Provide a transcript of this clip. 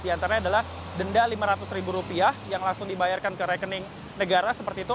di antaranya adalah denda lima ratus ribu rupiah yang langsung dibayarkan ke rekening negara seperti itu